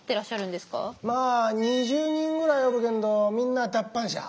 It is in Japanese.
まあ２０人ぐらいおるけんどみんな脱藩者。